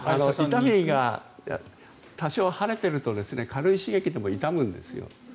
痛みが多少、腫れていると軽い刺激でも痛むんですよ。